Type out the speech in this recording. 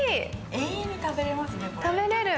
永遠に食べれますね。